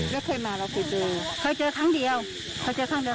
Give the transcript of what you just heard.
แล้วเคยมาเราเคยเจอเคยเจอครั้งเดียวเคยเจอครั้งเดียว